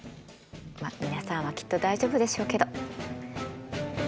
まっ皆さんはきっと大丈夫でしょうけど。